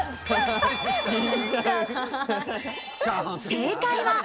正解は。